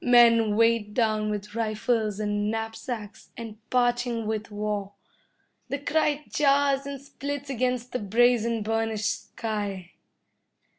Men weighed down with rifles and knapsacks, and parching with war. The cry jars and splits against the brazen, burnished sky.